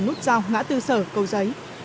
nút sao ngã tư sở cầu giấy